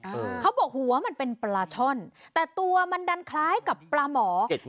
เขาบอกหัวมันเป็นปลาช่อนแต่ตัวมันดันคล้ายกับปลาหมอ